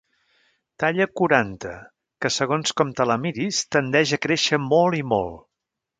Talla quaranta que, segons com te la miris, tendeix a créixer molt i molt.